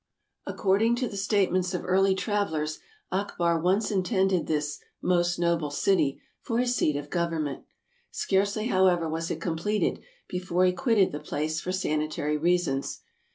According to the statements of early travelers, Akbar once intended this '' most noble city '' for his seat of gov ernment. Scarcely, however, was it completed before he quitted the place for sanitary reasons.